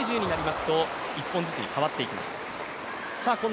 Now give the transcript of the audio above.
サービス権も１０−１０になりますと１本ずつに変わっていきます。